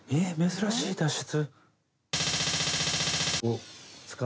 珍しい脱出？」